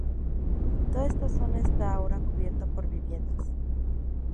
Toda esta zona está ahora cubierta por viviendas.